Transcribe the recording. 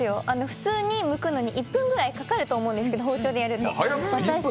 普通にむくのに１分ぐらいかかると思うんですけど包丁でやると。